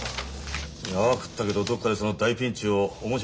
泡食ったけどどっかでその大ピンチを面白がってた。